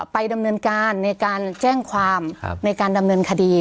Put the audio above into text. ไปดำเนินการในการแจ้งความในการดำเนินคดี